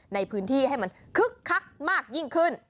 ในพื้นที่ให้มันคึกคักมากยิ่งขึ้น